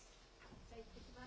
じゃあ、行ってきます。